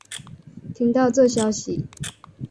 听到这消息